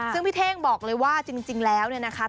ซึ่งพี่เท่งบอกเลยว่าจริงแล้วเนี่ยนะคะ